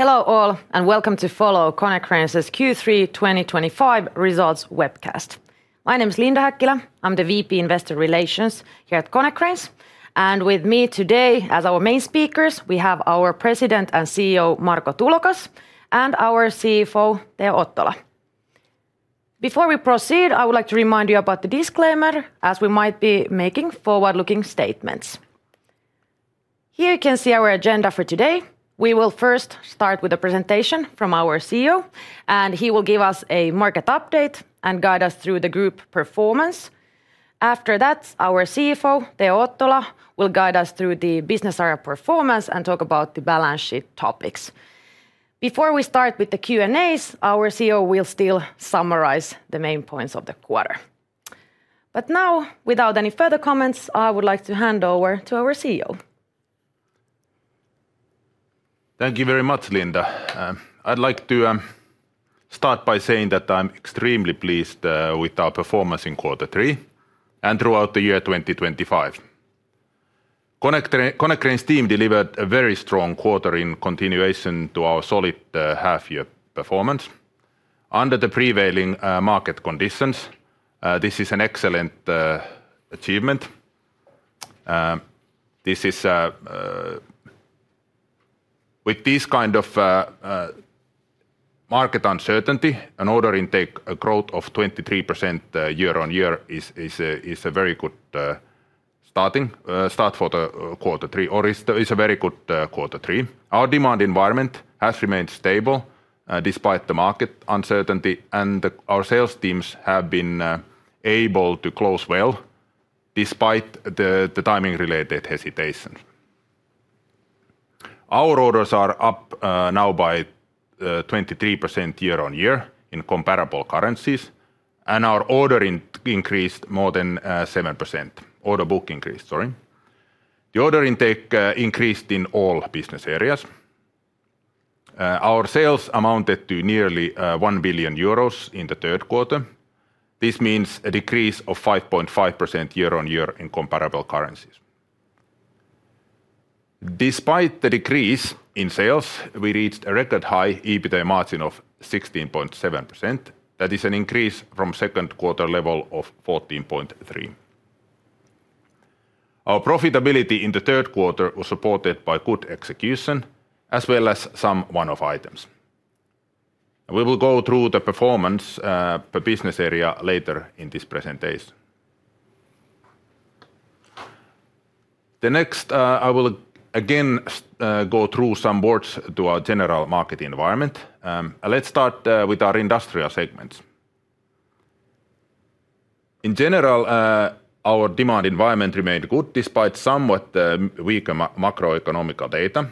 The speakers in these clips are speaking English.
Hello all, and welcome to Konecranes' Q3 2025 results webcast. My name is Linda Häkkilä, I'm the VP of Investor Relations here at Konecranes, and with me today as our main speakers, we have our President and CEO, Marko Tulokas, and our CFO, Teo Ottola. Before we proceed, I would like to remind you about the disclaimer, as we might be making forward-looking statements. Here you can see our agenda for today. We will first start with a presentation from our CEO, and he will give us a market update and guide us through the group performance. After that, our CFO, Teo Ottola, will guide us through the business area performance and talk about the balance sheet topics. Before we start with the Q&As, our CEO will still summarize the main points of the quarter. Now, without any further comments, I would like to hand over to our CEO. Thank you very much, Linda. I'd like to start by saying that I'm extremely pleased with our performance in quarter three and throughout the year 2025. Konecranes' team delivered a very strong quarter in continuation to our solid half-year performance under the prevailing market conditions. This is an excellent achievement. With this kind of market uncertainty, an order intake growth of 23% year-on-year is a very good start for the quarter three, or is a very good quarter three. Our demand environment has remained stable despite the market uncertainty, and our sales teams have been able to close well despite the timing-related hesitations. Our orders are up now by 23% year-on-year in comparable currencies, and our order book increased more than 7%. The order intake increased in all business areas. Our sales amounted to nearly 1 billion euros in the third quarter. This means a decrease of 5.5% year-on-year in comparable currencies. Despite the decrease in sales, we reached a record high EBITDA margin of 16.7%. That is an increase from the second quarter level of 14.3%. Our profitability in the third quarter was supported by good execution, as well as some one-off items. We will go through the performance per business area later in this presentation. Next, I will again go through some words to our general market environment. Let's start with our industrial segments. In general, our demand environment remained good despite somewhat weaker macroeconomic data.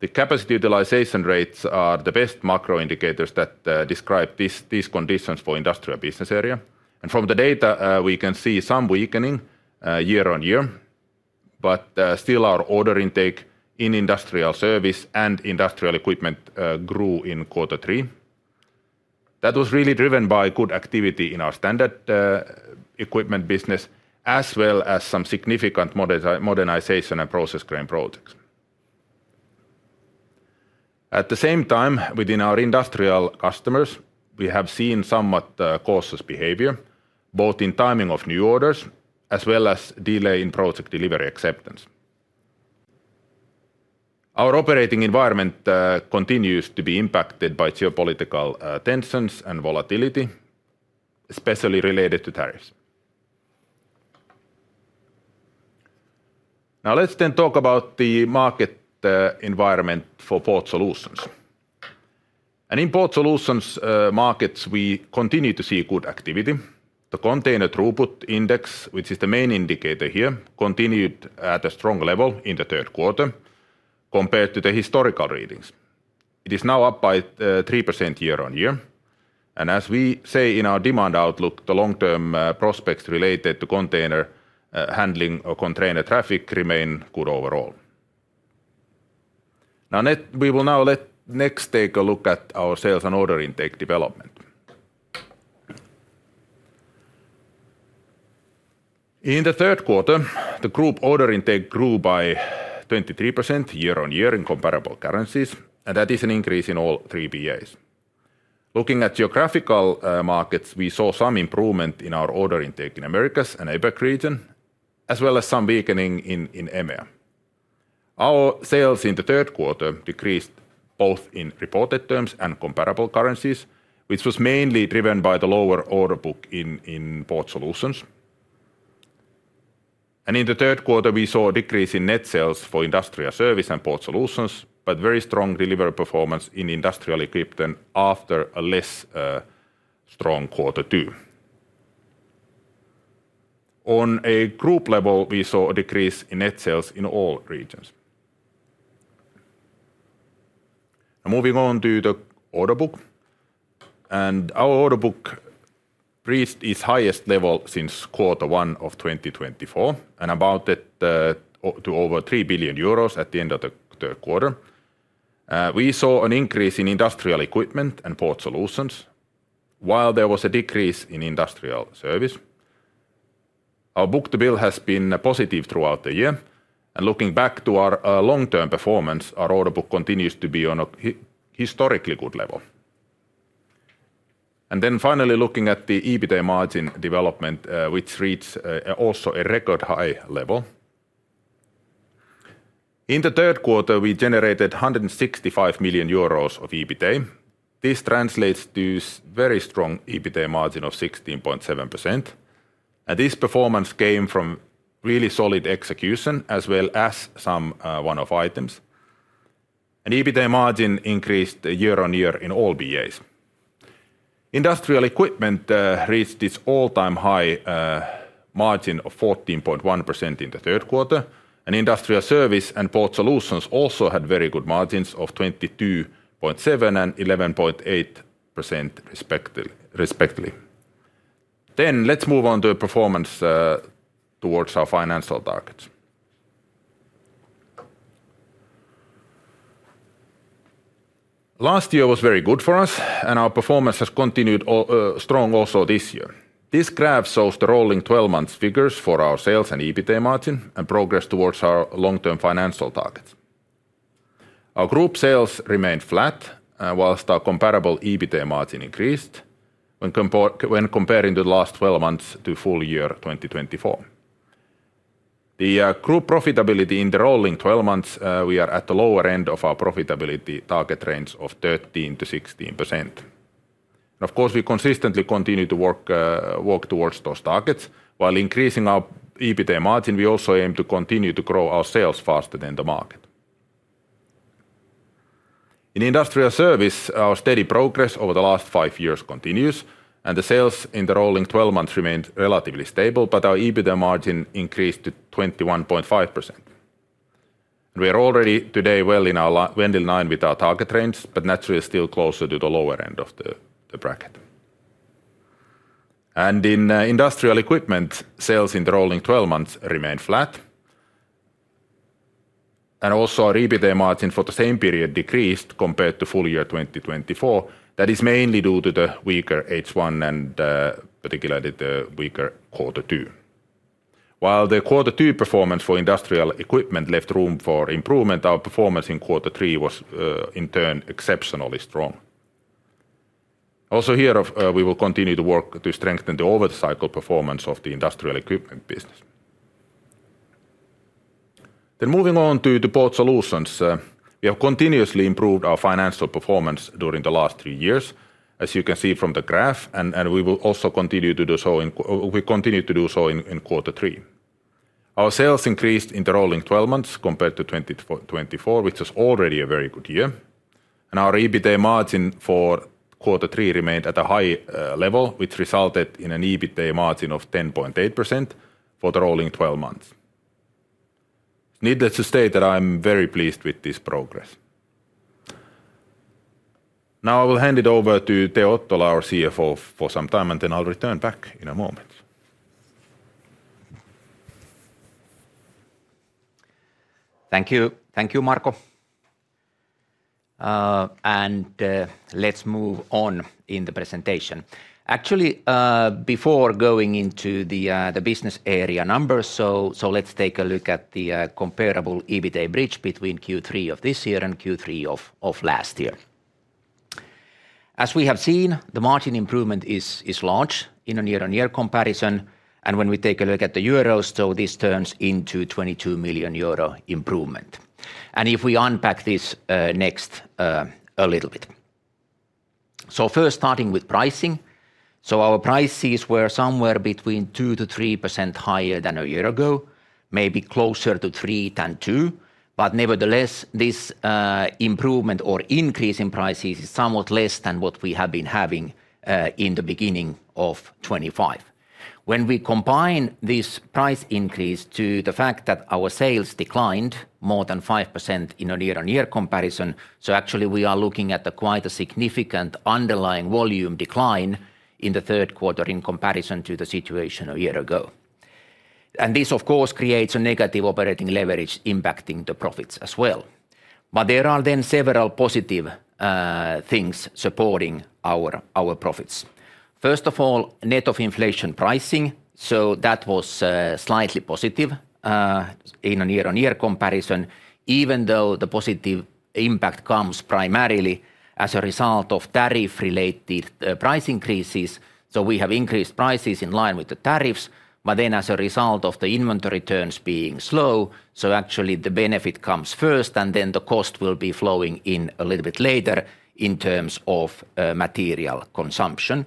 The capacity utilization rates are the best macro indicators that describe these conditions for industrial business area. From the data, we can see some weakening year-on-year, but still our order intake in industrial service and industrial equipment grew in quarter three. That was really driven by good activity in our standard equipment business, as well as some significant modernization and process crane projects. At the same time, within our industrial customers, we have seen somewhat cautious behavior, both in timing of new orders as well as delay in project delivery acceptance. Our operating environment continues to be impacted by geopolitical tensions and volatility, especially related to tariffs. Now let's then talk about the market environment for port solutions. In port solutions markets, we continue to see good activity. The container throughput index, which is the main indicator here, continued at a strong level in the third quarter compared to the historical readings. It is now up by 3% year-on-year. As we say in our demand outlook, the long-term prospects related to container handling or container traffic remain good overall. We will now next take a look at our sales and order intake development. In the third quarter, the group order intake grew by 23% year-on-year in comparable currencies, and that is an increase in all three BAs. Looking at geographical markets, we saw some improvement in our order intake in the Americas and APAC region, as well as some weakening in EMEA. Our sales in the third quarter decreased both in reported terms and comparable currencies, which was mainly driven by the lower order book in port solutions. In the third quarter, we saw a decrease in net sales for industrial service and port solutions, but very strong delivery performance in industrial equipment after a less strong quarter two. On a group level, we saw a decrease in net sales in all regions. Moving on to the order book, our order book reached its highest level since quarter one of 2024, and amounted to over 3 billion euros at the end of the third quarter. We saw an increase in industrial equipment and port solutions, while there was a decrease in industrial service. Our book-to-bill has been positive throughout the year, and looking back to our long-term performance, our order book continues to be on a historically good level. Finally, looking at the EBITDA margin development, which reached also a record high level. In the third quarter, we generated 165 million euros of EBITDA. This translates to a very strong EBITDA margin of 16.7%. This performance came from really solid execution, as well as some one-off items. EBITDA margin increased year-on-year in all BAs. Industrial equipment reached its all-time high margin of 14.1% in the third quarter, and industrial service and port solutions also had very good margins of 22.7% and 11.8% respectively. Let's move on to the performance towards our financial targets. Last year was very good for us, and our performance has continued strong also this year. This graph shows the rolling 12 months figures for our sales and EBITDA margin and progress towards our long-term financial targets. Our group sales remained flat, whilst our comparable EBITDA margin increased when comparing the last 12 months to full year 2024. The group profitability in the rolling 12 months, we are at the lower end of our profitability target range of 13-16%. Of course, we consistently continue to work towards those targets. While increasing our EBITDA margin, we also aim to continue to grow our sales faster than the market. In industrial service, our steady progress over the last five years continues, and the sales in the rolling 12 months remained relatively stable, but our EBITDA margin increased to 21.5%. We are already today well in our vending line with our target range, but naturally still closer to the lower end of the bracket. In industrial equipment, sales in the rolling 12 months remained flat, and also our EBITDA margin for the same period decreased compared to full year 2024. That is mainly due to the weaker H1 and particularly the weaker quarter two. While the quarter two performance for industrial equipment left room for improvement, our performance in quarter three was in turn exceptionally strong. Also here, we will continue to work to strengthen the over-the-cycle performance of the industrial equipment business. Moving on to the port solutions, we have continuously improved our financial performance during the last three years, as you can see from the graph, and we will also continue to do so in quarter three. Our sales increased in the rolling 12 months compared to 2024, which was already a very good year. Our EBITDA margin for quarter three remained at a high level, which resulted in an EBITDA margin of 10.8% for the rolling 12 months. It's needless to say that I'm very pleased with this progress. Now I will hand it over to Teo Ottola, our CFO, for some time, and then I'll return back in a moment. Thank you, thank you Marko. Let's move on in the presentation. Actually, before going into the business area numbers, let's take a look at the comparable EBITDA bridge between Q3 of this year and Q3 of last year. As we have seen, the margin improvement is large in a year-on-year comparison, and when we take a look at the euros, this turns into a 22 million euro improvement. If we unpack this next a little bit. First, starting with pricing. Our prices were somewhere between 2-3% higher than a year ago, maybe closer to 3% than 2%, but nevertheless, this improvement or increase in prices is somewhat less than what we have been having in the beginning of 2025. When we combine this price increase to the fact that our sales declined more than 5% in a year-on-year comparison, we are looking at quite a significant underlying volume decline in the third quarter in comparison to the situation a year ago. This, of course, creates a negative operating leverage impacting the profits as well. There are then several positive things supporting our profits. First of all, net of inflation pricing, that was slightly positive in a year-on-year comparison, even though the positive impact comes primarily as a result of tariff-related price increases. We have increased prices in line with the tariffs, but as a result of the inventory turns being slow, the benefit comes first and then the cost will be flowing in a little bit later in terms of material consumption.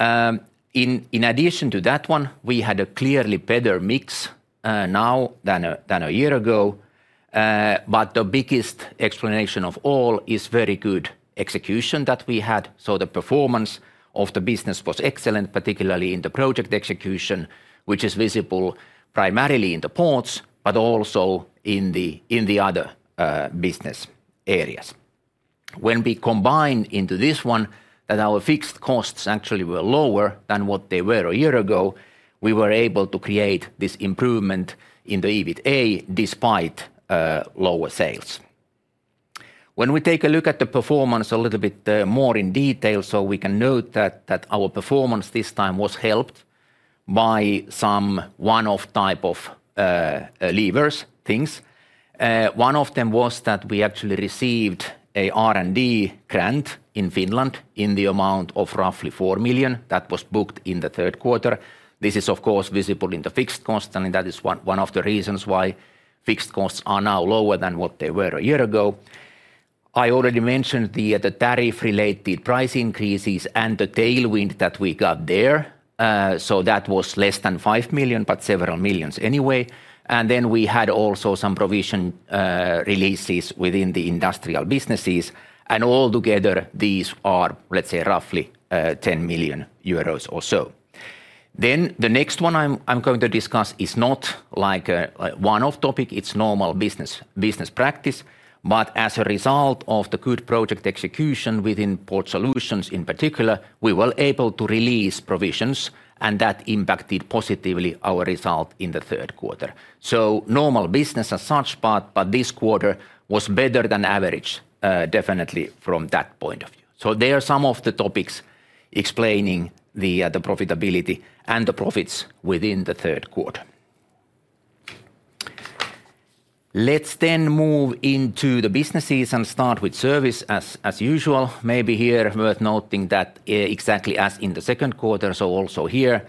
In addition to that one, we had a clearly better mix now than a year ago, but the biggest explanation of all is very good execution that we had. The performance of the business was excellent, particularly in the project execution, which is visible primarily in the ports, but also in the other business areas. When we combine into this one that our fixed costs actually were lower than what they were a year ago, we were able to create this improvement in the EBITDA despite lower sales. When we take a look at the performance a little bit more in detail, we can note that our performance this time was helped by some one-off type of levers, things. One of them was that we actually received an R&D grant in Finland in the amount of roughly 4 million that was booked in the third quarter. This is, of course, visible in the fixed costs, and that is one of the reasons why fixed costs are now lower than what they were a year ago. I already mentioned the tariff-related price increases and the tailwind that we got there. That was less than 5 million, but several millions anyway. We had also some provision releases within the industrial businesses, and altogether these are, let's say, roughly 10 million euros or so. The next one I'm going to discuss is not like a one-off topic, it's normal business practice, but as a result of the good project execution within port solutions in particular, we were able to release provisions, and that impacted positively our result in the third quarter. Normal business as such, but this quarter was better than average, definitely from that point of view. There are some of the topics explaining the profitability and the profits within the third quarter. Let's then move into the businesses and start with service as usual. Maybe here worth noting that exactly as in the second quarter, so also here,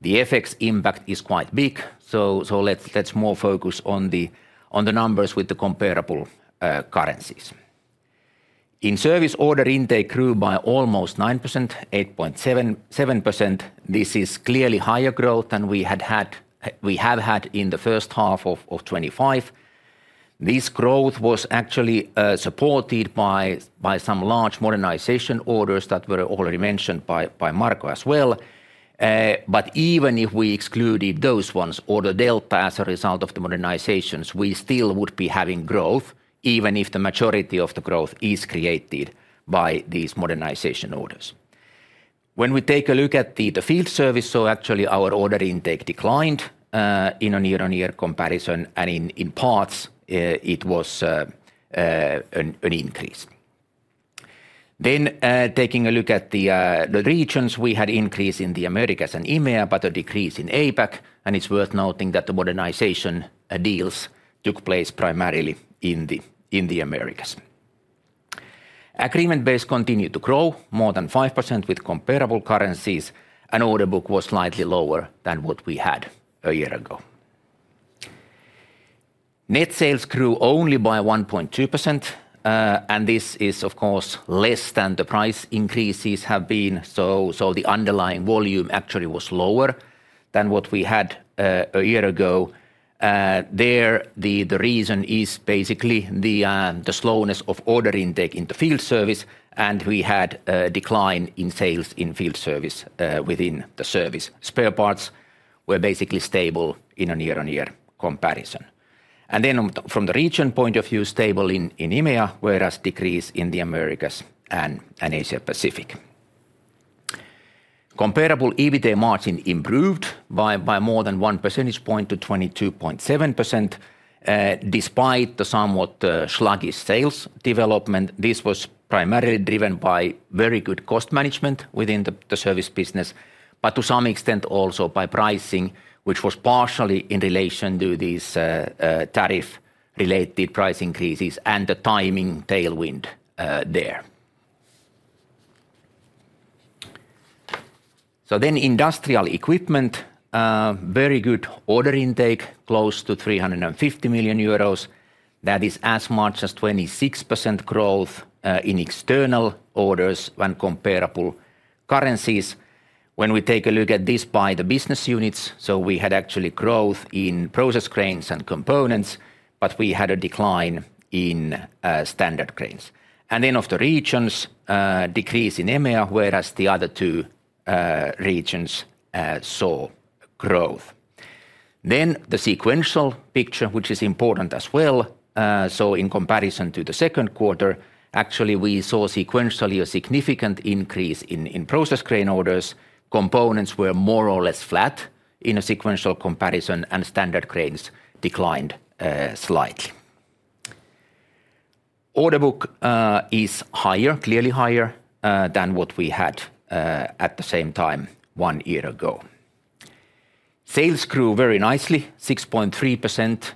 the FX impact is quite big, so let's more focus on the numbers with the comparable currencies. In service, order intake grew by almost 9%, 8.7%. This is clearly higher growth than we had had in the first half of 2025. This growth was actually supported by some large modernization orders that were already mentioned by Marko as well. Even if we excluded those ones, order delta as a result of the modernizations, we still would be having growth, even if the majority of the growth is created by these modernization orders. When we take a look at the field service, so actually our order intake declined in a year-on-year comparison, and in parts it was an increase. Taking a look at the regions, we had increase in the Americas and EMEA, but a decrease in APAC, and it's worth noting that the modernization deals took place primarily in the Americas. Agreement base continued to grow more than 5% with comparable currencies, and order book was slightly lower than what we had a year ago. Net sales grew only by 1.2%, and this is, of course, less than the price increases have been, so the underlying volume actually was lower than what we had a year ago. The reason is basically the slowness of order intake into field service, and we had a decline in sales in field service within the service. Spare parts were basically stable in a year-on-year comparison. From the region point of view, stable in EMEA, whereas decrease in the Americas and Asia-Pacific. Comparable EBITDA margin improved by more than 1 percentage point to 22.7%, despite the somewhat sluggish sales development. This was primarily driven by very good cost management within the service business, but to some extent also by pricing, which was partially in relation to these tariff-related price increases and the timing tailwind there. Industrial equipment, very good order intake, close to 350 million euros. That is as much as 26% growth in external orders when comparable currencies. When we take a look at this by the business units, we had actually growth in processed cranes and components, but we had a decline in standard cranes. Of the regions, decrease in EMEA, whereas the other two regions saw growth. The sequential picture, which is important as well, in comparison to the second quarter, actually we saw sequentially a significant increase in processed crane orders. Components were more or less flat in a sequential comparison, and standard cranes declined slightly. Order book is higher, clearly higher than what we had at the same time one year ago. Sales grew very nicely, 6.3%,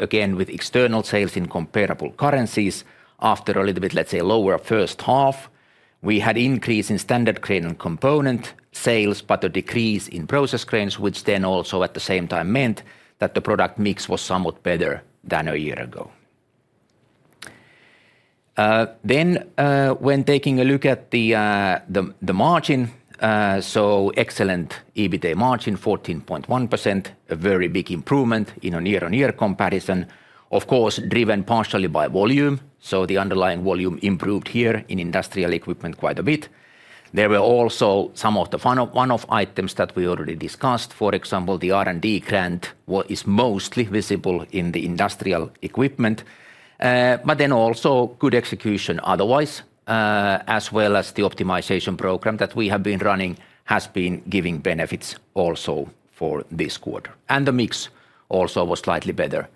again with external sales in comparable currencies after a little bit, let's say, lower first half. We had increase in standard crane and component sales, but a decrease in processed cranes, which at the same time meant that the product mix was somewhat better than a year ago. When taking a look at the margin, excellent EBITDA margin, 14.1%, a very big improvement in a year-on-year comparison. Of course, driven partially by volume, so the underlying volume improved here in industrial equipment quite a bit. There were also some of the one-off items that we already discussed. For example, the R&D grant is mostly visible in the industrial equipment, but also good execution otherwise, as well as the optimization program that we have been running has been giving benefits also for this quarter. The mix also was slightly better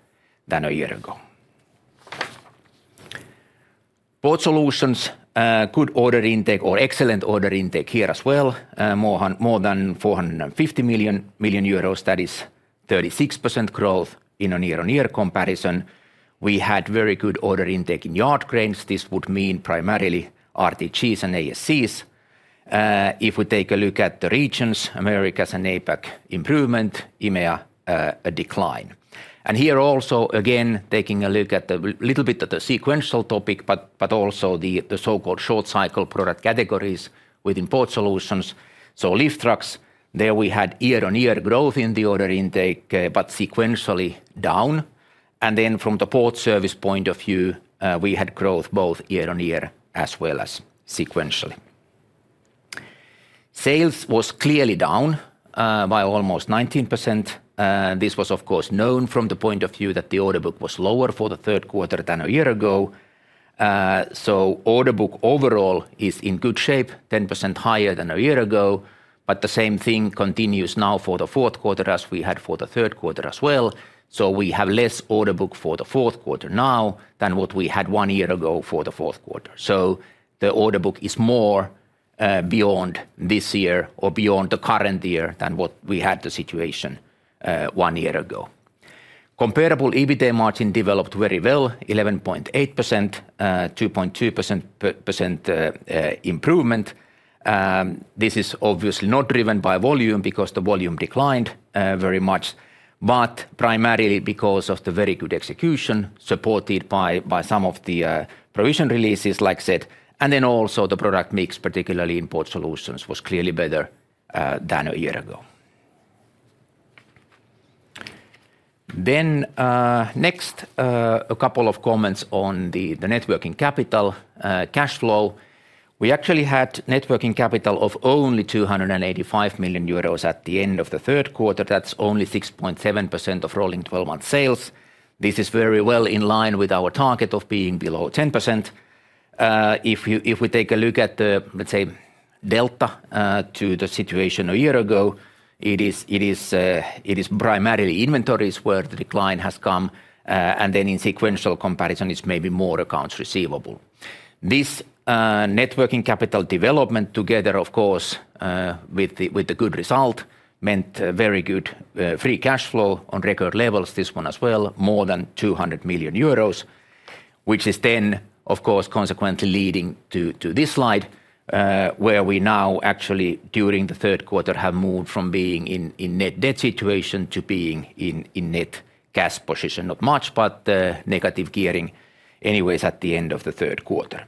than a year ago. Port solutions, good order intake or excellent order intake here as well, more than 450 million, that is 36% growth in a year-on-year comparison. We had very good order intake in yard cranes. This would mean primarily RTGs and ASCs. If we take a look at the regions, Americas and APAC improvement, EMEA decline. Here also, again taking a look at a little bit of the sequential topic, but also the so-called short cycle product categories within port solutions. Lift trucks, there we had year-on-year growth in the order intake, but sequentially down. From the port service point of view, we had growth both year-on-year as well as sequentially. Sales was clearly down by almost 19%. This was, of course, known from the point of view that the order book was lower for the third quarter than a year ago. Order book overall is in good shape, 10% higher than a year ago, but the same thing continues now for the fourth quarter as we had for the third quarter as well. We have less order book for the fourth quarter now than what we had one year ago for the fourth quarter. The order book is more beyond this year or beyond the current year than what we had the situation one year ago. Comparable EBITDA margin developed very well, 11.8%, 2.2% improvement. This is obviously not driven by volume because the volume declined very much, but primarily because of the very good execution supported by some of the provision releases, like I said. Also, the product mix, particularly in port solutions, was clearly better than a year ago. Next, a couple of comments on the networking capital cash flow. We actually had networking capital of only 285 million euros at the end of the third quarter. That's only 6.7% of rolling 12-month sales. This is very well in line with our target of being below 10%. If we take a look at the delta to the situation a year ago, it is primarily inventories where the decline has come, and in sequential comparison, it's maybe more accounts receivable. This networking capital development together, of course, with the good result meant very good free cash flow on record levels. This one as well, more than 200 million euros, which is then, of course, consequently leading to this slide where we now actually during the third quarter have moved from being in net debt situation to being in net cash position. Not much, but negative gearing anyways at the end of the third quarter.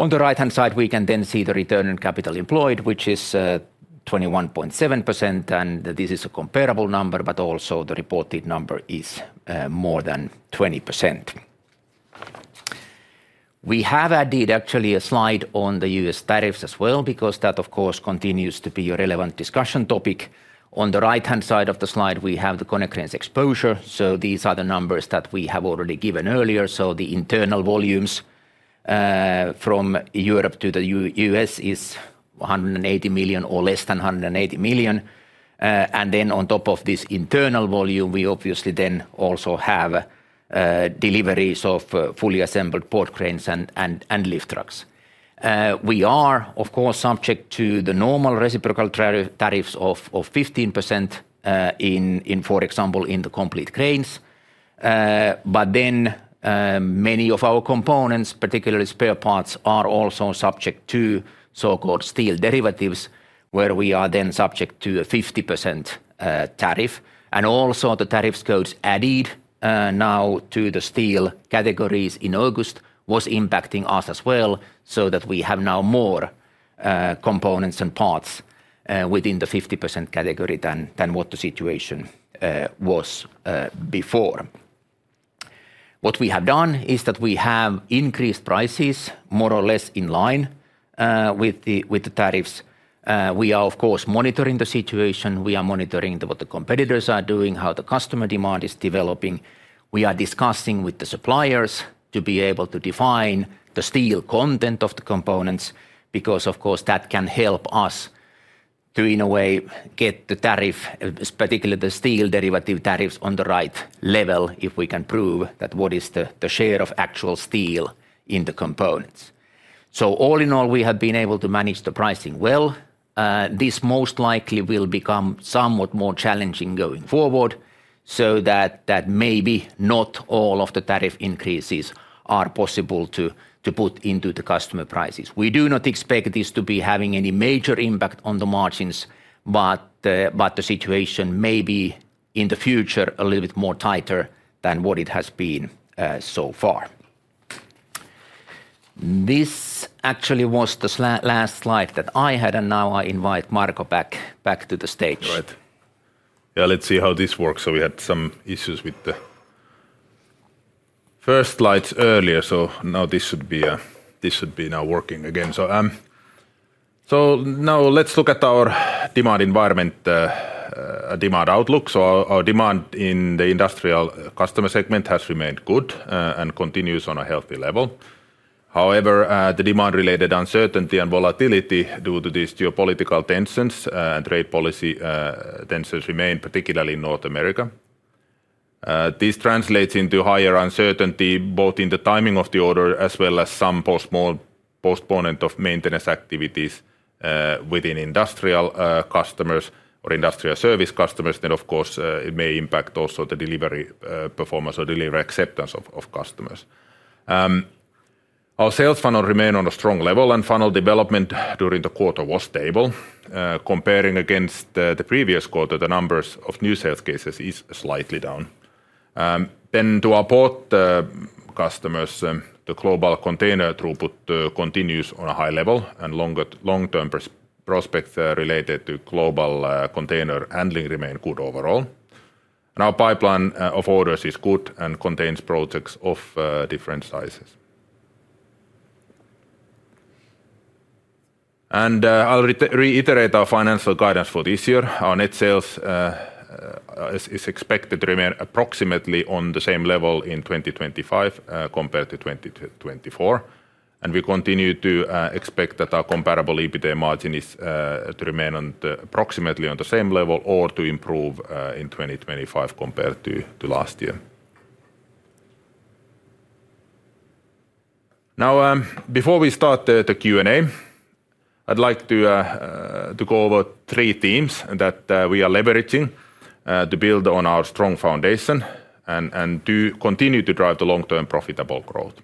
On the right-hand side, we can then see the return on capital employed, which is 21.7%, and this is a comparable number, but also the reported number is more than 20%. We have added actually a slide on the U.S. tariffs as well because that, of course, continues to be a relevant discussion topic. On the right-hand side of the slide, we have the Konecranes exposure. These are the numbers that we have already given earlier. The internal volumes from Europe to the U.S. are 180 million or less than 180 million. On top of this internal volume, we obviously also have deliveries of fully assembled port cranes and lift trucks. We are, of course, subject to the normal reciprocal tariffs of 15%, for example, in the complete cranes. Many of our components, particularly spare parts, are also subject to so-called steel derivatives, where we are then subject to a 50% tariff. The tariff codes added now to the steel categories in August were impacting us as well, so we now have more components and parts within the 50% category than what the situation was before. What we have done is that we have increased prices more or less in line with the tariffs. We are, of course, monitoring the situation. We are monitoring what the competitors are doing and how the customer demand is developing. We are discussing with the suppliers to be able to define the steel content of the components because, of course, that can help us to, in a way, get the tariff, particularly the steel derivative tariffs, on the right level if we can prove what is the share of actual steel in the components. All in all, we have been able to manage the pricing well. This most likely will become somewhat more challenging going forward, so maybe not all of the tariff increases are possible to put into the customer prices. We do not expect this to be having any major impact on the margins, but the situation may be in the future a little bit tighter than what it has been so far. This actually was the last slide that I had, and now I invite Marko back to the stage. All right. Yeah, let's see how this works. We had some issues with the first slides earlier, so now this should be working again. Now let's look at our demand environment, our demand outlook. Our demand in the industrial customer segment has remained good and continues on a healthy level. However, the demand-related uncertainty and volatility due to these geopolitical tensions and trade policy tensions remain, particularly in North America. This translates into higher uncertainty both in the timing of the order as well as some postponement of maintenance activities within industrial customers or industrial service customers. Of course, it may impact also the delivery performance or delivery acceptance of customers. Our sales funnel remained on a strong level, and funnel development during the quarter was stable. Comparing against the previous quarter, the numbers of new sales cases are slightly down. To our port customers, the global container throughput continues on a high level, and long-term prospects related to global container handling remain good overall. Our pipeline of orders is good and contains projects of different sizes. I'll reiterate our financial guidance for this year. Our net sales are expected to remain approximately on the same level in 2025 compared to 2024. We continue to expect that our comparable EBITDA margin is to remain approximately on the same level or to improve in 2025 compared to last year. Before we start the Q&A, I'd like to go over three themes that we are leveraging to build on our strong foundation and to continue to drive the long-term profitable growth.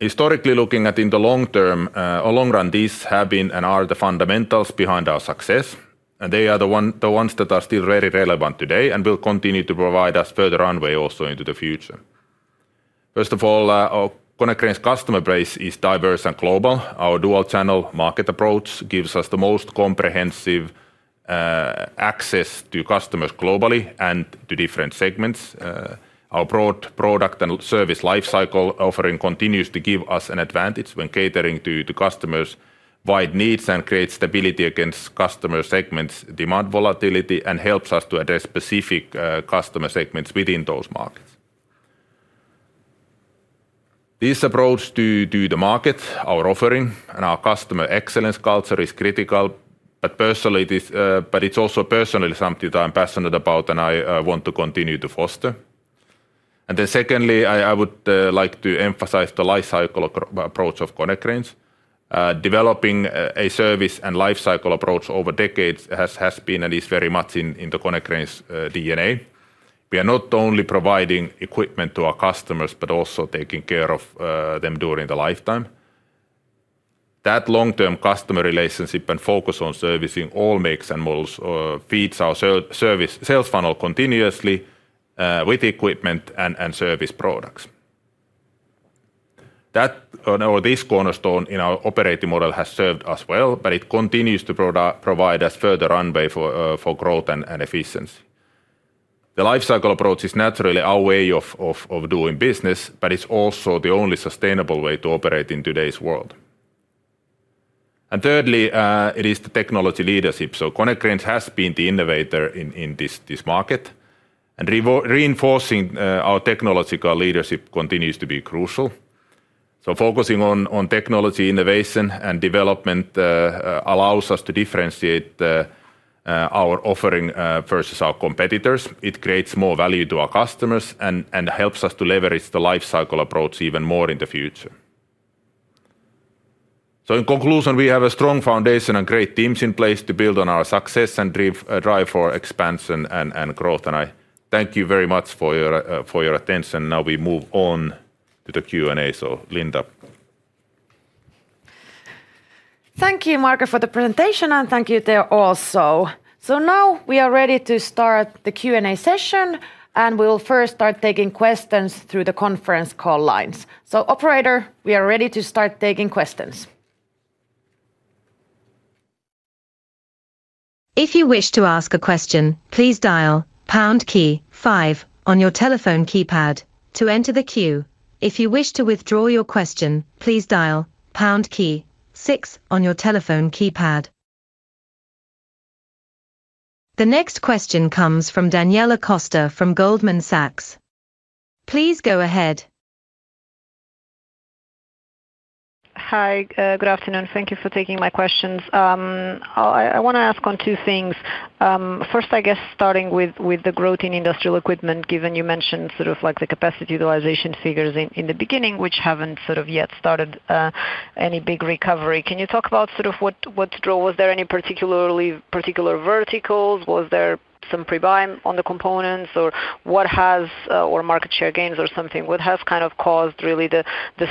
Historically, looking at in the long term, our long-run deals have been and are the fundamentals behind our success. They are the ones that are still very relevant today and will continue to provide us further runway also into the future. First of all, our Konecranes customer base is diverse and global. Our dual-channel market approach gives us the most comprehensive access to customers globally and to different segments. Our broad product and service lifecycle offering continues to give us an advantage when catering to customers' wide needs and creates stability against customer segments' demand volatility and helps us to address specific customer segments within those markets. This approach to the market, our offering, and our customer excellence culture is critical, but it's also personally something that I'm passionate about and I want to continue to foster. Secondly, I would like to emphasize the lifecycle approach of Konecranes. Developing a service and lifecycle approach over decades has been and is very much in the Konecranes DNA. We are not only providing equipment to our customers, but also taking care of them during the lifetime. That long-term customer relationship and focus on servicing all makes and models feeds our sales funnel continuously with equipment and service products. This cornerstone in our operating model has served us well, and it continues to provide us further runway for growth and efficiency. The lifecycle approach is naturally our way of doing business, and it's also the only sustainable way to operate in today's world. Thirdly, it is the technology leadership. Konecranes has been the innovator in this market, and reinforcing our technological leadership continues to be crucial. Focusing on technology innovation and development allows us to differentiate our offering versus our competitors. It creates more value to our customers and helps us to leverage the lifecycle approach even more in the future. In conclusion, we have a strong foundation and great teams in place to build on our success and drive for expansion and growth. I thank you very much for your attention. Now we move on to the Q&A. Linda. Thank you, Marko, for the presentation, and thank you, Teo, also. Now we are ready to start the Q&A session, and we will first start taking questions through the conference call lines. Operator, we are ready to start taking questions. If you wish to ask a question, please dial pound key five on your telephone keypad to enter the queue. If you wish to withdraw your question, please dial pound key six on your telephone keypad. The next question comes from Daniela Costa from Goldman Sachs. Please go ahead. Hi, good afternoon. Thank you for taking my questions. I want to ask on two things. First, I guess starting with the growth in industrial equipment, given you mentioned the capacity utilization figures in the beginning, which haven't yet started any big recovery. Can you talk about what drove that? Was there any particular verticals? Was there some pre-buying on the components, or market share gains or something? What has caused really the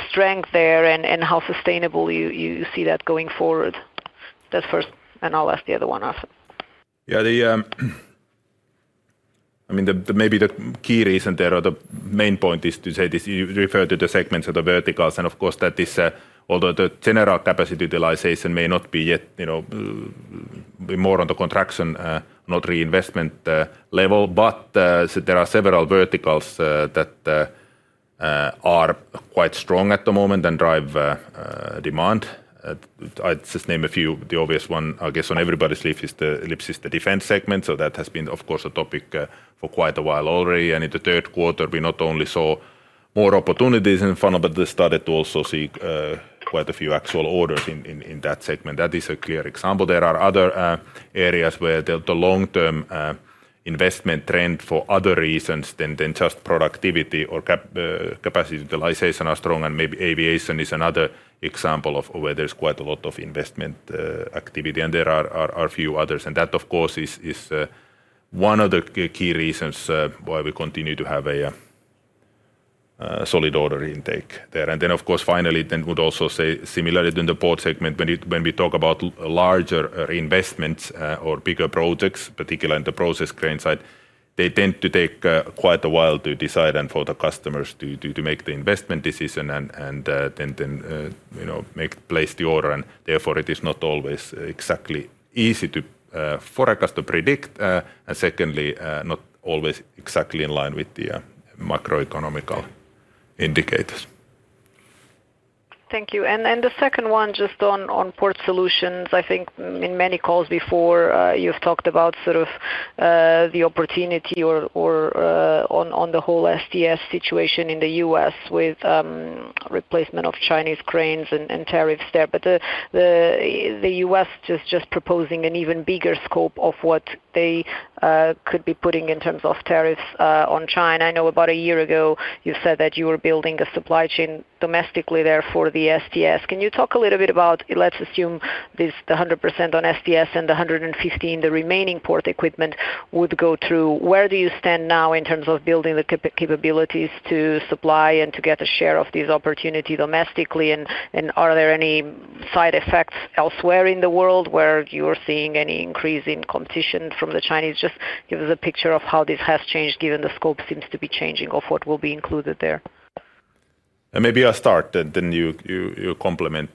strength there, and how sustainable you see that going forward? That's first, and I'll ask the other one after. Maybe the key reason there or the main point is to say this, you refer to the segments of the verticals, and of course that is, although the general capacity utilization may not be yet more on the contraction, not reinvestment level, there are several verticals that are quite strong at the moment and drive demand. I just name a few. The obvious one, I guess, on everybody's lips is the defense segment, so that has been, of course, a topic for quite a while already. In the third quarter, we not only saw more opportunities in the funnel, but they started to also see quite a few actual orders in that segment. That is a clear example. There are other areas where the long-term investment trend for other reasons than just productivity or capacity utilization are strong, and maybe aviation is another example of where there's quite a lot of investment activity, and there are a few others. That, of course, is one of the key reasons why we continue to have a solid order intake there. Finally, I would also say similarly in the port segment, when we talk about larger reinvestments or bigger projects, particularly in the process grain side, they tend to take quite a while to decide and for the customers to make the investment decision and then place the order, and therefore it is not always exactly easy to forecast or predict, and secondly, not always exactly in line with the macroeconomical indicators. Thank you. The second one just on port solutions, I think in many calls before, you've talked about sort of the opportunity or on the whole STS situation in the U.S. with replacement of Chinese cranes and tariffs there. The U.S. is just proposing an even bigger scope of what they could be putting in terms of tariffs on China. I know about a year ago you said that you were building a supply chain domestically there for the STS. Can you talk a little bit about, let's assume this is the 100% on STS and the 115%, the remaining port equipment would go through? Where do you stand now in terms of building the capabilities to supply and to get a share of these opportunities domestically? Are there any side effects elsewhere in the world where you're seeing any increase in competition from the Chinese? Just give us a picture of how this has changed given the scope seems to be changing of what will be included there. Maybe I'll start, then you complement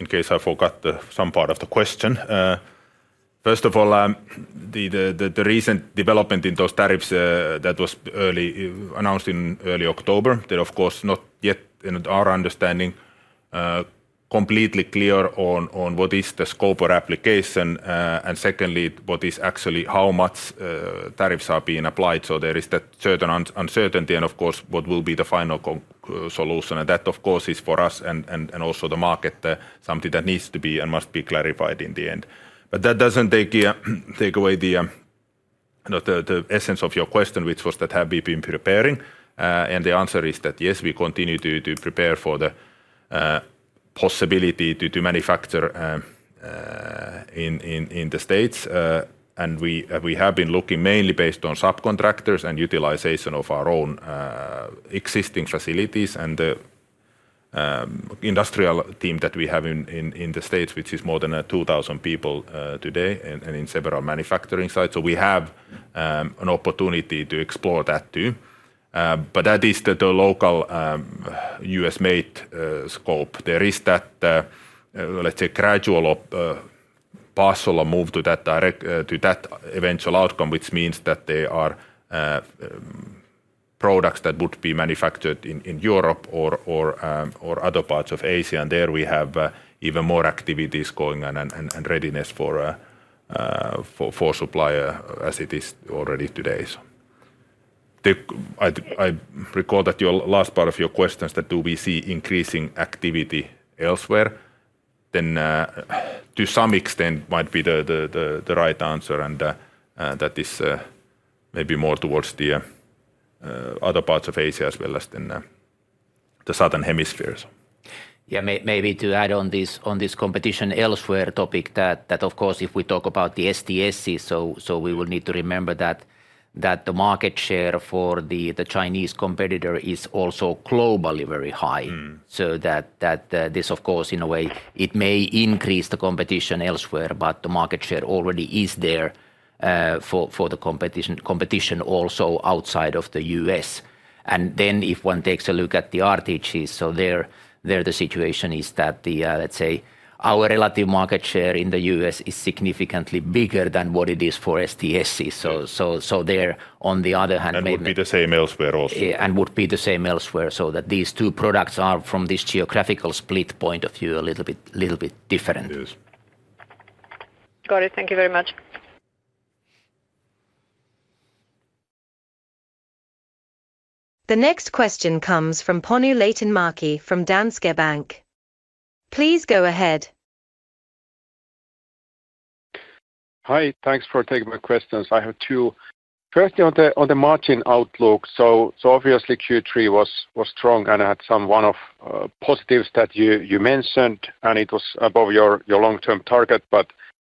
in case I forgot some part of the question. First of all, the recent development in those tariffs that was announced in early October, they're, of course, not yet in our understanding completely clear on what is the scope of application, and secondly, what is actually how much tariffs are being applied. There is that certain uncertainty, and of course, what will be the final solution? That, of course, is for us and also the market something that needs to be and must be clarified in the end. That doesn't take away the essence of your question, which was that have we been preparing? The answer is that yes, we continue to prepare for the possibility to manufacture in the States. We have been looking mainly based on subcontractors and utilization of our own existing facilities and the industrial team that we have in the States, which is more than 2,000 people today and in several manufacturing sites. We have an opportunity to explore that too. That is the local U.S.-made scope. There is that, let's say, gradual parcel or move to that eventual outcome, which means that there are products that would be manufactured in Europe or other parts of Asia. There we have even more activities going on and readiness for supplier as it is already today. I recall that your last part of your question is that do we see increasing activity elsewhere? To some extent might be the right answer, and that is maybe more towards the other parts of Asia as well as the southern hemisphere. Yeah, maybe to add on this competition elsewhere topic that, of course, if we talk about the STS, we will need to remember that the market share for the Chinese competitor is also globally very high. This, of course, in a way, may increase the competition elsewhere, but the market share already is there for the competition also outside of the U.S. If one takes a look at the RTGs, the situation is that our relative market share in the U.S. is significantly bigger than what it is for STSs. There, on the other hand. It would be the same elsewhere also. And would be the same elsewhere. These two products are from this geographical split point of view a little bit different. Yes. Got it. Thank you very much. The next question comes from Panu Laitinmäki from Danske Bank. Please go ahead. Hi, thanks for taking my questions. I have two. Firstly, on the margin outlook, Q3 was strong and had some one-off positives that you mentioned, and it was above your long-term target.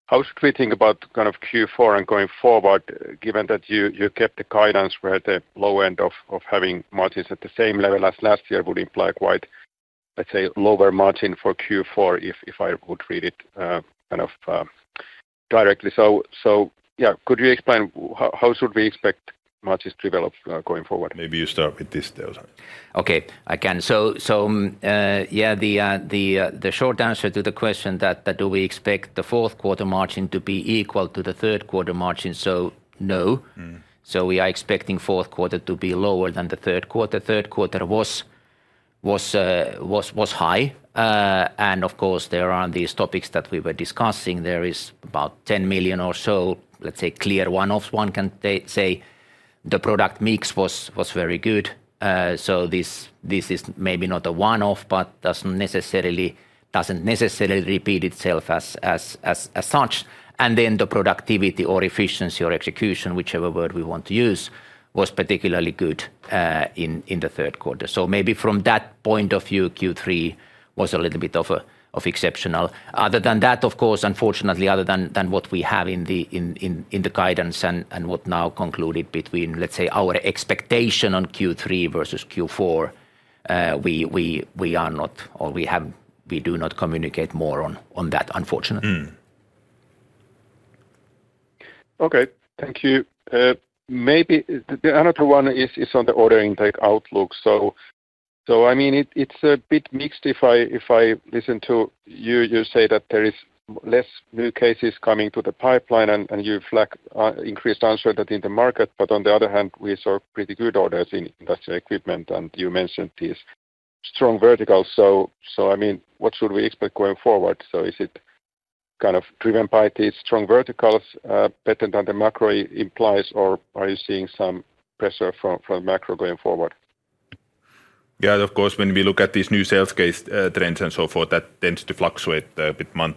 How should we think about Q4 and going forward, given that you kept the guidance where the low end of having margins at the same level as last year would imply quite, let's say, lower margin for Q4 if I would read it directly. Could you explain how should we expect margins to develop going forward? Maybe you start with this, Teo. Okay, I can. The short answer to the question that do we expect the fourth quarter margin to be equal to the third quarter margin? No. We are expecting fourth quarter to be lower than the third quarter. Third quarter was high. There are these topics that we were discussing. There is about $10 million or so, let's say, clear one-offs. One can say the product mix was very good. This is maybe not a one-off, but doesn't necessarily repeat itself as such. The productivity or efficiency or execution, whichever word we want to use, was particularly good in the third quarter. Maybe from that point of view, Q3 was a little bit of exceptional. Other than that, unfortunately, other than what we have in the guidance and what now concluded between, let's say, our expectation on Q3 versus Q4, we are not, or we do not communicate more on that, unfortunately. Okay, thank you. Maybe the other one is on the order intake outlook. I mean, it's a bit mixed if I listen to you. You say that there is less new cases coming to the pipeline, and you flag increased uncertainty in the market. On the other hand, we saw pretty good orders in industrial equipment, and you mentioned these strong verticals. What should we expect going forward? Is it kind of driven by these strong verticals better than the macro implies, or are you seeing some pressure from the macro going forward? Yeah, of course, when we look at these new sales case trends and so forth, that tends to fluctuate a bit month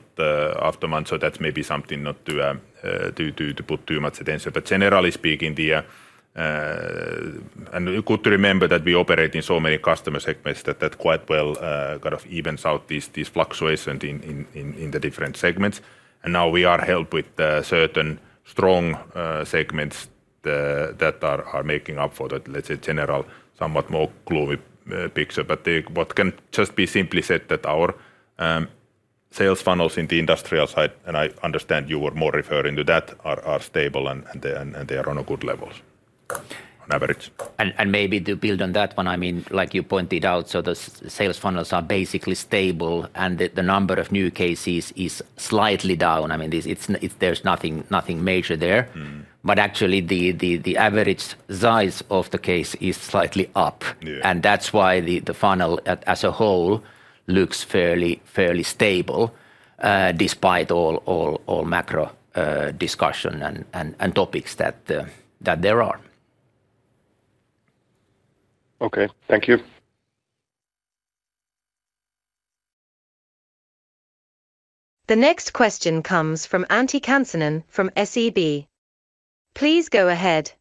after month. That's maybe something not to put too much attention to. Generally speaking, and good to remember that we operate in so many customer segments that quite well kind of even out these fluctuations in the different segments. We are helped with certain strong segments that are making up for that, let's say, general, somewhat more gloomy picture. What can just be simply said is that our sales funnels in the industrial side, and I understand you were more referring to that, are stable, and they are on a good level on average. Maybe to build on that one, like you pointed out, the sales funnels are basically stable, and the number of new cases is slightly down. There's nothing major there. Actually, the average size of the case is slightly up, and that's why the funnel as a whole looks fairly stable despite all macro discussion and topics that there are. Okay, thank you. The next question comes from Antti Kansanen from SEB. Please go ahead.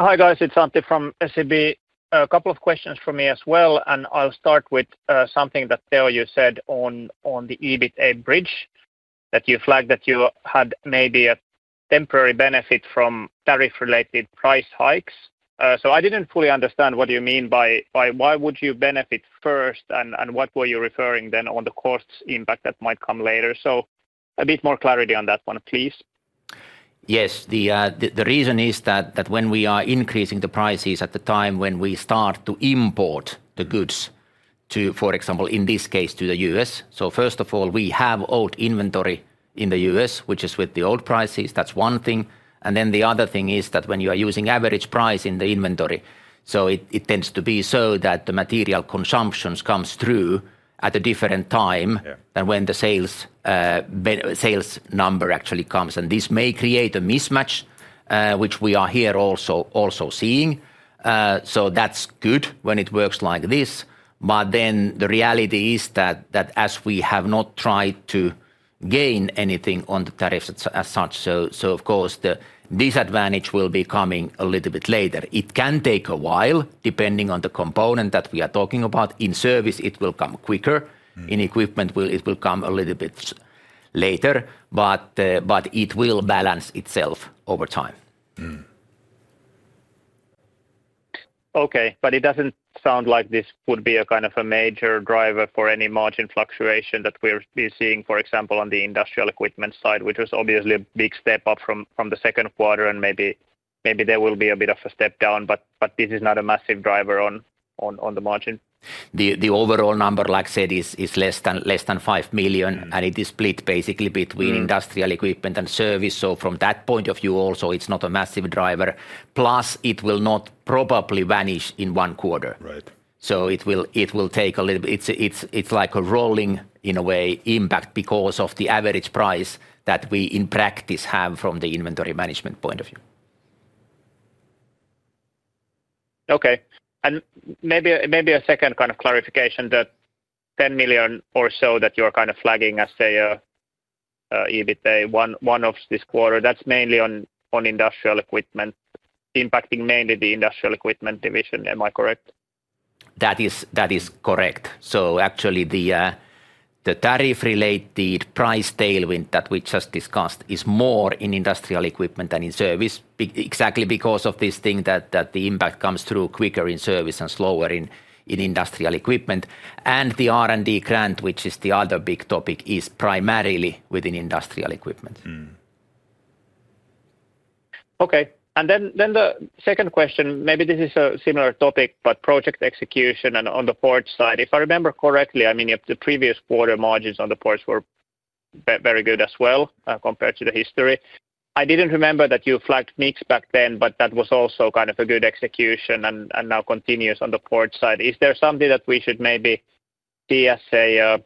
Hi guys, it's Antti from SEB. A couple of questions for me as well. I'll start with something that, Teo, you said on the EBITDA bridge that you flagged that you had maybe a temporary benefit from tariff-related price hikes. I didn't fully understand what you mean by why would you benefit first, and what were you referring then on the cost impact that might come later? A bit more clarity on that one, please. Yes, the reason is that when we are increasing the prices at the time when we start to import the goods to, for example, in this case, to the U.S. First of all, we have old inventory in the U.S., which is with the old prices. That's one thing. The other thing is that when you are using average price in the inventory, it tends to be so that the material consumptions come through at a different time than when the sales number actually comes. This may create a mismatch, which we are here also seeing. That's good when it works like this. The reality is that as we have not tried to gain anything on the tariffs as such, of course the disadvantage will be coming a little bit later. It can take a while depending on the component that we are talking about. In service, it will come quicker. In equipment, it will come a little bit later. It will balance itself over time. Okay, it doesn't sound like this would be a kind of a major driver for any margin fluctuation that we're seeing, for example, on the industrial equipment side, which was obviously a big step up from the second quarter. There may be a bit of a step down, but this is not a massive driver on the margin. The overall number, like I said, is less than 5 million, and it is split basically between industrial equipment and service. From that point of view, also it's not a massive driver. Plus, it will not probably vanish in one quarter. Right. It will take a little bit, it's like a rolling in a way impact because of the average price that we in practice have from the inventory management point of view. Okay, maybe a second kind of clarification. That 10 million or so that you're kind of flagging as a EBITDA one-off this quarter, that's mainly on industrial equipment, impacting mainly the industrial equipment division, am I correct? That is correct. Actually, the tariff-related price tailwind that we just discussed is more in industrial equipment than in industrial service, exactly because of this thing that the impact comes through quicker in industrial service and slower in industrial equipment. The R&D grant, which is the other big topic, is primarily within industrial equipment. Okay, the second question, maybe this is a similar topic, but project execution and on the port side. If I remember correctly, the previous quarter margins on the ports were very good as well compared to the history. I didn't remember that you flagged Nix back then, but that was also kind of a good execution and now continues on the port side. Is there something that we should maybe see as kind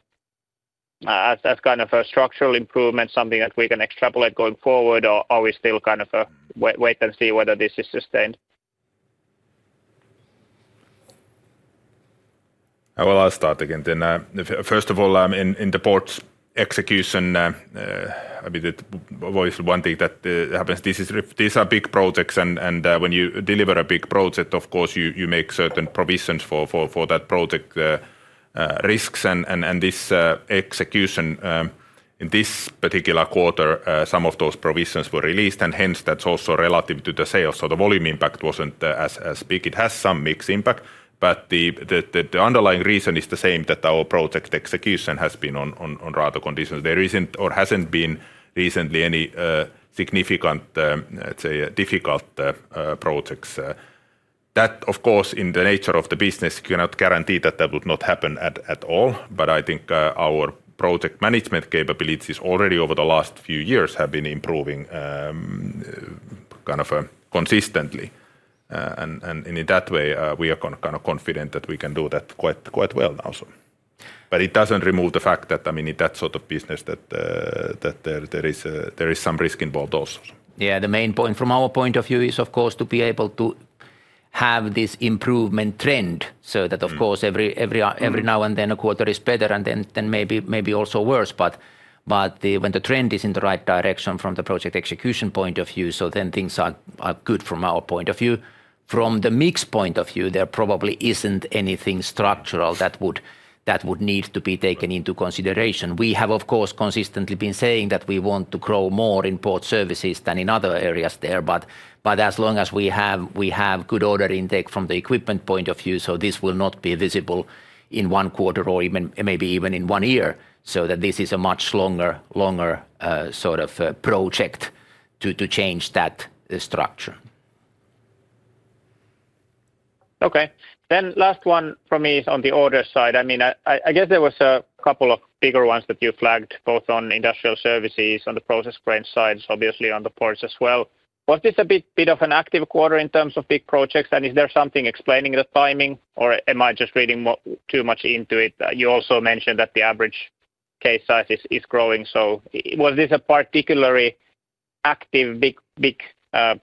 of a structural improvement, something that we can extrapolate going forward, or are we still kind of wait and see whether this is sustained? I will ask that again. First of all, in the ports execution, what is one thing that happens? These are big projects, and when you deliver a big project, of course, you make certain provisions for that project risks. In this execution in this particular quarter, some of those provisions were released, and hence that's also relative to the sales, so the volume impact wasn't as big. It has some mixed impact, but the underlying reason is the same that our project execution has been on rather good conditions. There isn't or hasn't been recently any significant, let's say, difficult projects. That, of course, in the nature of the business, you cannot guarantee that that would not happen at all. I think our project management capabilities already over the last few years have been improving kind of consistently. In that way, we are kind of confident that we can do that quite well now. It doesn't remove the fact that, in that sort of business, there is some risk involved also. Yeah, the main point from our point of view is, of course, to be able to have this improvement trend so that, of course, every now and then a quarter is better and then maybe also worse. When the trend is in the right direction from the project execution point of view, things aren't good from our point of view. From the mix point of view, there probably isn't anything structural that would need to be taken into consideration. We have, of course, consistently been saying that we want to grow more in port services than in other areas there, but as long as we have good order intake from the equipment point of view, this will not be visible in one quarter or maybe even in one year, so this is a much longer sort of project to change that structure. Okay, then last one for me is on the order side. I guess there were a couple of bigger ones that you flagged both on industrial service, on the process crane side, obviously on the ports as well. Was this a bit of an active quarter in terms of big projects? Is there something explaining the timing, or am I just reading too much into it? You also mentioned that the average case size is growing. Was this a particularly active big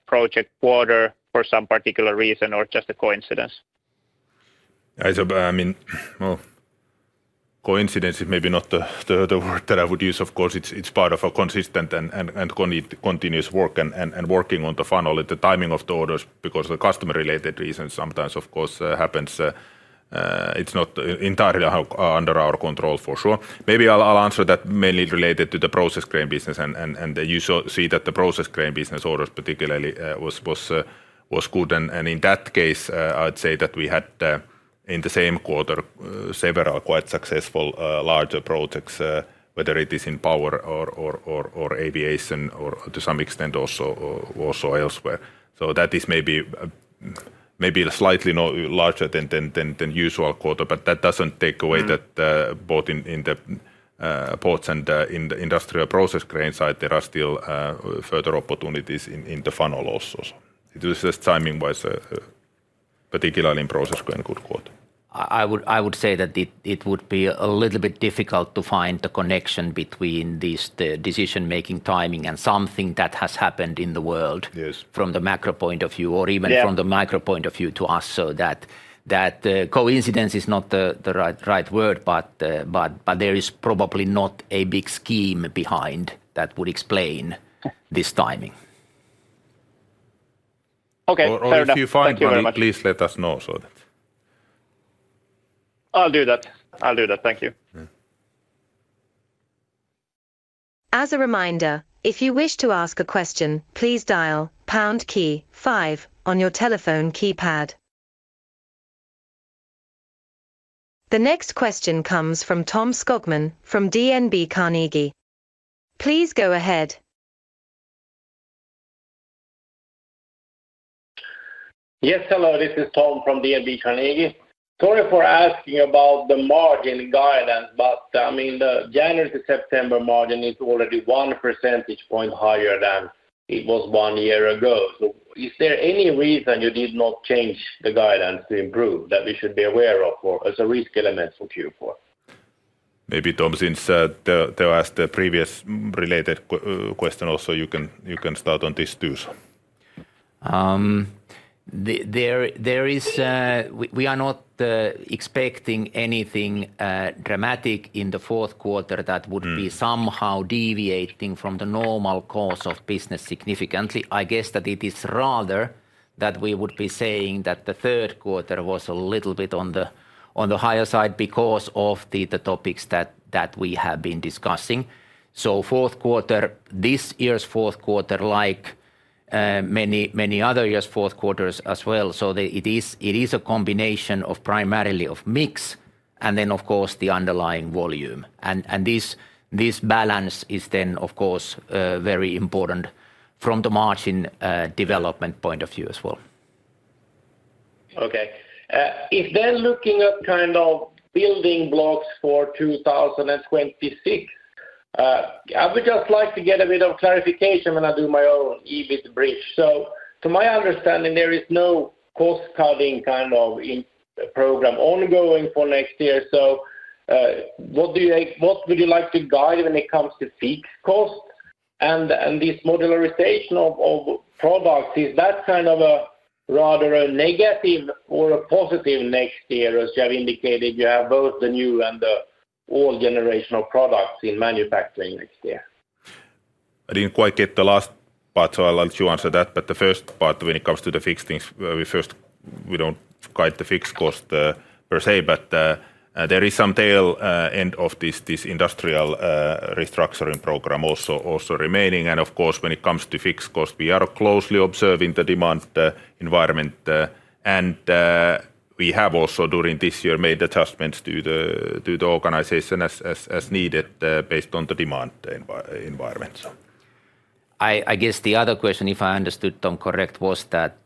project quarter for some particular reason or just a coincidence? Coincidence is maybe not the word that I would use. Of course, it's part of a consistent and continuous work and working on the funnel at the timing of the orders because of the customer-related reasons sometimes, of course, happens. It's not entirely under our control for sure. Maybe I'll answer that mainly related to the process crane business, and you see that the process crane business orders particularly was good. In that case, I'd say that we had in the same quarter several quite successful larger projects, whether it is in power or aviation or to some extent also elsewhere. That is maybe slightly larger than the usual quarter, but that doesn't take away that both in the ports and in the industrial process crane side, there are still further opportunities in the funnel also. It was just timing-wise, particularly in process crane, good quarter. I would say that it would be a little bit difficult to find the connection between this decision-making timing and something that has happened in the world from the macro point of view or even from the micro point of view to us. Coincidence is not the right word, but there is probably not a big scheme behind that would explain this timing. Okay, fair enough. If you find that, at least let us know. I'll do that. Thank you. As a reminder, if you wish to ask a question, please dial pound key five on your telephone keypad. The next question comes from Tom Skogman from DNB Carnegie. Please go ahead. Yes, hello, this is Tom from DNB Carnegie. Sorry for asking about the margin guidance, but I mean, the January to September margin is already one percentage point higher than it was one year ago. Is there any reason you did not change the guidance to improve that we should be aware of as a risk element for Q4? Maybe Tom, since Teo asked the previous related question also, you can start on this too. We are not expecting anything dramatic in the fourth quarter that would be somehow deviating from the normal course of business significantly. I guess that it is rather that we would be saying that the third quarter was a little bit on the higher side because of the topics that we have been discussing. This year's fourth quarter, like many other years' fourth quarters as well, is a combination primarily of mix and then, of course, the underlying volume. This balance is then, of course, very important from the margin development point of view as well. Okay. If they're looking at kind of building blocks for 2026, I would just like to get a bit of clarification when I do my own EBIT bridge. To my understanding, there is no cost cutting kind of program ongoing for next year. What would you like to guide when it comes to fixed costs and this modularization of products? Is that kind of a rather negative or a positive next year? As you have indicated, you have both the new and the old generation of products in manufacturing next year. I didn't quite get the last part, so I'll let you answer that. The first part, when it comes to the fixed things, we don't guide the fixed cost per se, but there is some tail end of this industrial restructuring program also remaining. Of course, when it comes to fixed costs, we are closely observing the demand environment. We have also during this year made adjustments to the organization as needed based on the demand environment. I guess the other question, if I understood Tom correctly, was that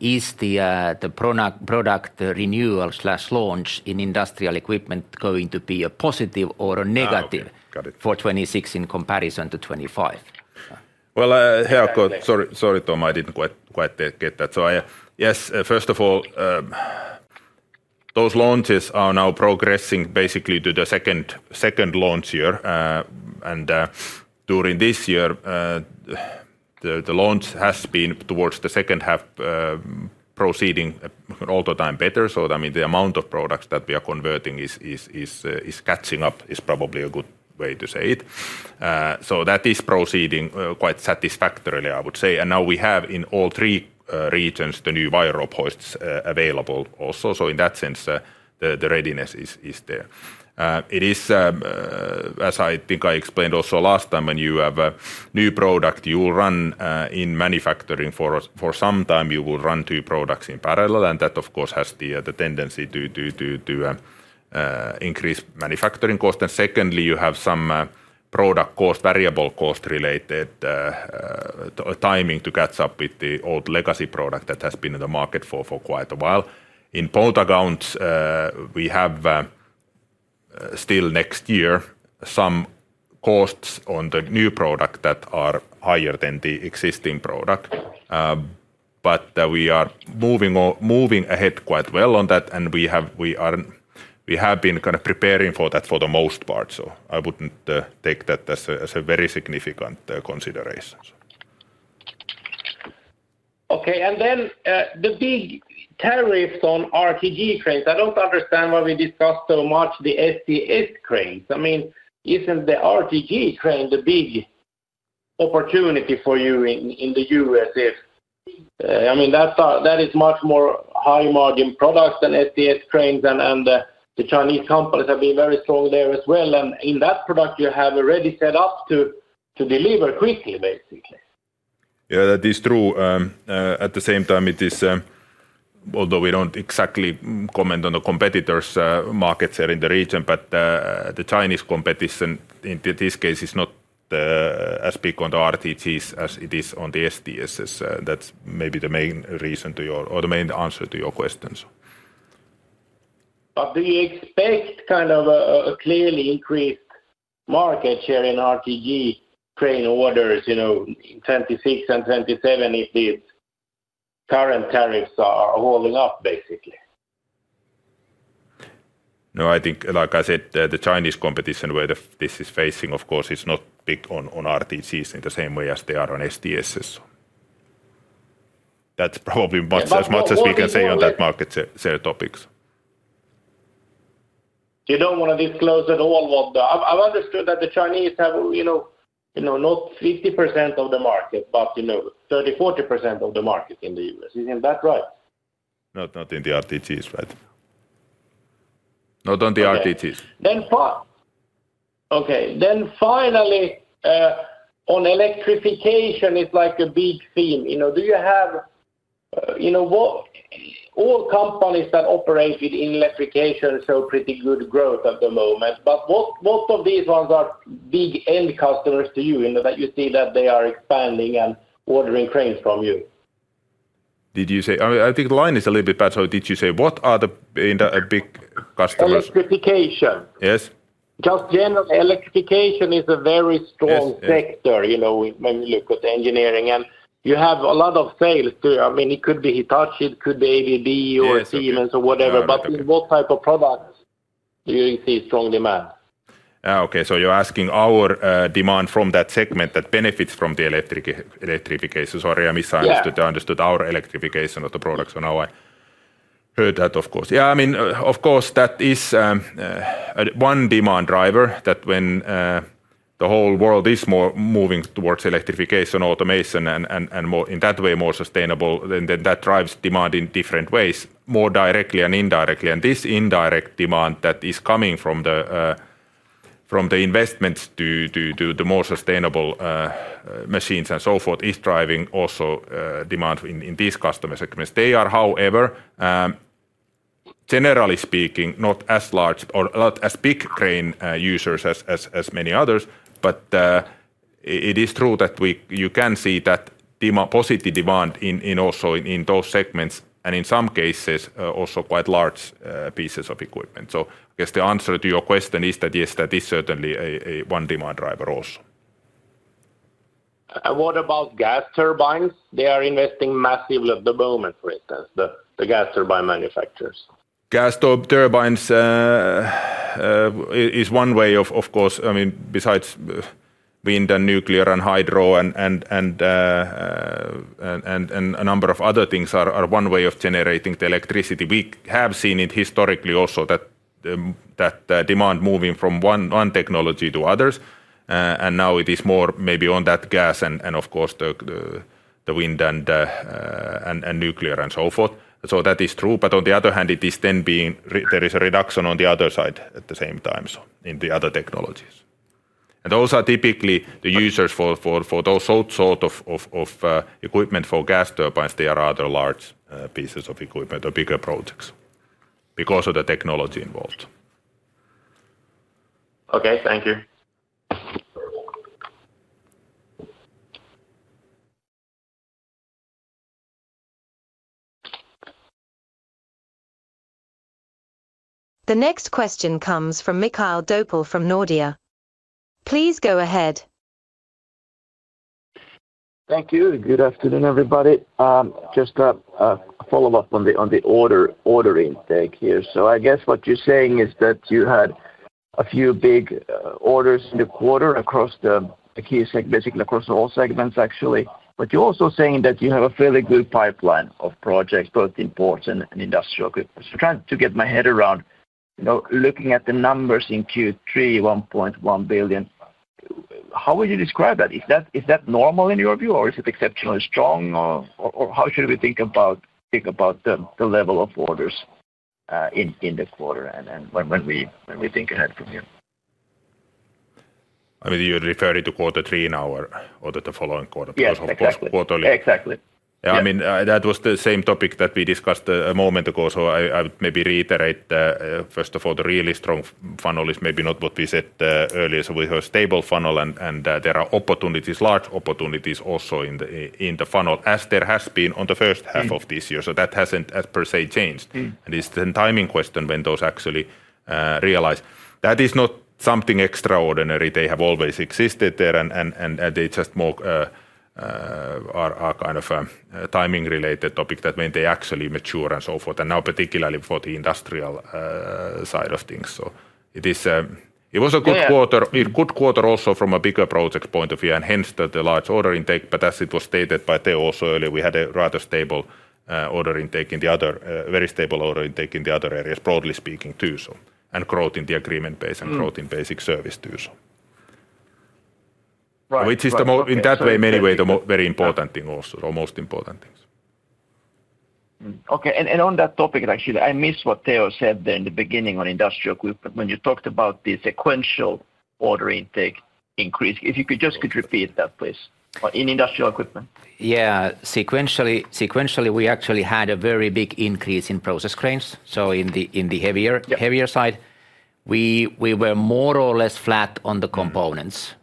is the product renewal/launch in industrial equipment going to be a positive or a negative for 2026 in comparison to 2025? Sorry, Tom, I didn't quite get that. Yes, first of all, those launches are now progressing basically to the second launch year. During this year, the launch has been towards the second half, proceeding all the time better. I mean, the amount of products that we are converting is catching up, is probably a good way to say it. That is proceeding quite satisfactorily, I would say. Now we have in all three regions the new wire rope hoists available also. In that sense, the readiness is there. It is, as I think I explained also last time, when you have a new product, you will run in manufacturing for some time, you will run two products in parallel. That, of course, has the tendency to increase manufacturing costs. Secondly, you have some product cost, variable cost related timing to catch up with the old legacy product that has been in the market for quite a while. In port grounds, we have still next year some costs on the new product that are higher than the existing product. We are moving ahead quite well on that, and we have been kind of preparing for that for the most part. I wouldn't take that as a very significant consideration. Okay, and then the big tariffs on RTG cranes. I don't understand why we discussed so much the STS cranes. I mean, isn't the RTG crane the big opportunity for you in the U.S.? I mean, that is much more high margin products than STS cranes. The Chinese companies have been very strong there as well. In that product, you have already set up to deliver quickly, basically. Yeah, that is true. At the same time, although we don't exactly comment on the competitors' markets here in the region, the Chinese competition in this case is not as big on the RTGs as it is on the STSs. That's maybe the main reason to your or the main answer to your question. Do you expect kind of a clearly increased market share in RTG crane orders in 2026 and 2027 if the current tariffs are holding up, basically? No, I think, like I said, the Chinese competition where this is facing, of course, is not big on RTGs in the same way as they are on STSs. That's probably as much as we can say on that market share topic. You don't want to disclose at all what the, I've understood that the Chinese have, you know, not 50% of the market, but, you know, 30%-40% of the market in the U.S. Isn't that right? Not in the RTGs, right? Not on the RTGs. Okay, finally on electrification, it is a big theme. Do you have all companies that operate within electrification show pretty good growth at the moment, but which of these ones are big end customers to you that you see are expanding and ordering cranes from you? Did you say, I think the line is a little bit bad, did you say what are the big customers? Electrification. Yes. Generally, electrification is a very strong sector when you look at the engineering. You have a lot of sales too. It could be Hitachi, it could be ABB or Siemens or whatever, but in what type of products do you see strong demand? Okay, so you're asking our demand from that segment that benefits from the electrification. Sorry, I misunderstood. I understood our electrification of the products on how I heard that, of course. Yeah, I mean, of course, that is one demand driver that when the whole world is moving towards electrification, automation, and in that way, more sustainable, that drives demand in different ways, more directly and indirectly. This indirect demand that is coming from the investments to the more sustainable machines and so forth is driving also demand in these customer segments. They are, however, generally speaking, not as large or not as big crane users as many others, but it is true that you can see that positive demand also in those segments and in some cases also quite large pieces of equipment. I guess the answer to your question is that yes, that is certainly a one demand driver also. What about gas turbines? They are investing massively at the moment, for instance, the gas turbine manufacturers. Gas turbines is one way of, of course, I mean, besides wind and nuclear and hydro and a number of other things, are one way of generating the electricity. We have seen it historically also that demand moving from one technology to others, and now it is more maybe on that gas and, of course, the wind and nuclear and so forth. That is true, but on the other hand, it is then being, there is a reduction on the other side at the same time in the other technologies. Those are typically the users for those sorts of equipment for gas turbines. They are other large pieces of equipment or bigger projects because of the technology involved. Okay, thank you. The next question comes from Mikael Doepel from Nordea. Please go ahead. Thank you. Good afternoon, everybody. Just a follow-up on the order intake here. I guess what you're saying is that you had a few big orders in the quarter across the key segments, basically across all segments actually, but you're also saying that you have a fairly good pipeline of projects both in ports and industrial equipment. Trying to get my head around, looking at the numbers in Q3, 1.1 billion, how would you describe that? Is that normal in your view or is it exceptionally strong or how should we think about the level of orders in the quarter and when we think ahead from here? I mean, you're referring to quarter three now or the following quarter, of course quarterly. Exactly. Yeah, I mean, that was the same topic that we discussed a moment ago. I would maybe reiterate, first of all, the really strong funnel is maybe not what we said earlier. We have a stable funnel and there are opportunities, large opportunities also in the funnel as there has been in the first half of this year. That hasn't per se changed. It's a timing question when those actually realize. That is not something extraordinary. They have always existed there and they just more are kind of a timing-related topic, when they actually mature and so forth. Now, particularly for the industrial side of things, it was a good quarter, good quarter also from a bigger project's point of view and hence the large order intake. As it was stated by Teo also earlier, we had a rather stable order intake in the other, very stable order intake in the other areas, broadly speaking too. There was growth in the agreement base and growth in basic service too. Right. Which is, in that way, in many ways, a very important thing, also the most important things. Okay, on that topic, I missed what Teo said in the beginning on industrial equipment when you talked about the sequential order intake increase. If you could just repeat that, please, in industrial equipment. Yeah, sequentially we actually had a very big increase in process cranes. In the heavier side, we were more or less flat on the components,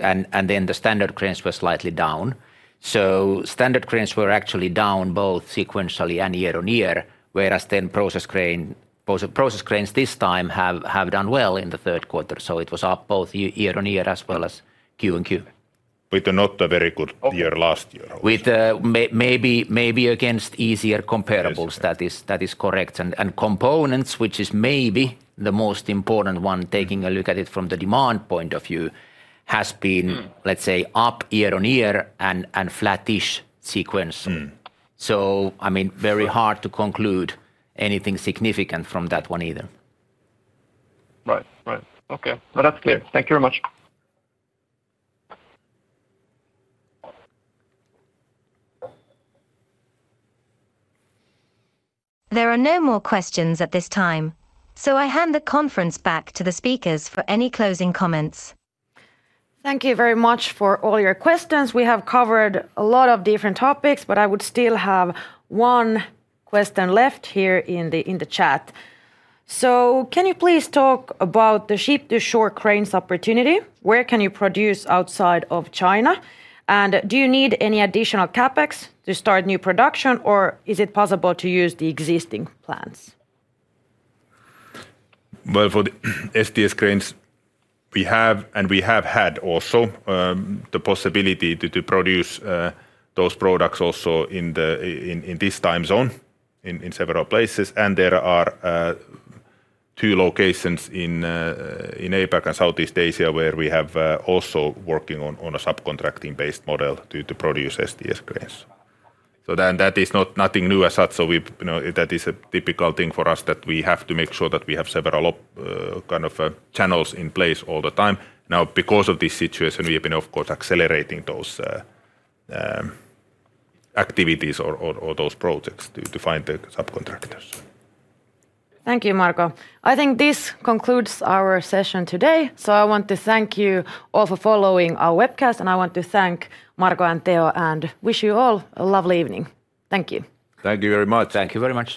and then the standard cranes were slightly down. Standard cranes were actually down both sequentially and year on year, whereas process cranes this time have done well in the third quarter. It was up both year on year as well as Q and Q. With not a very good year last year. Maybe against easier comparables, that is correct. Components, which is maybe the most important one, taking a look at it from the demand point of view, has been up year on year and flat-ish sequence. I mean, very hard to conclude anything significant from that one either. Right, right. Okay, that's clear. Thank you very much. There are no more questions at this time. I hand the conference back to the speakers for any closing comments. Thank you very much for all your questions. We have covered a lot of different topics, but I would still have one question left here in the chat. Can you please talk about the ship-to-shore cranes opportunity? Where can you produce outside of China? Do you need any additional CapEx to start new production, or is it possible to use the existing plans? For the STS cranes, we have and we have had also the possibility to produce those products also in this time zone in several places. There are two locations in APAC and Southeast Asia where we have also been working on a subcontracting-based model to produce STS cranes. That is not nothing new as such. That is a typical thing for us, that we have to make sure that we have several kind of channels in place all the time. Now, because of this situation, we have been, of course, accelerating those activities or those projects to find the subcontractors. Thank you, Marko. I think this concludes our session today. I want to thank you all for following our webcast, and I want to thank Marko and Teo, and wish you all a lovely evening. Thank you. Thank you very much. Thank you very much.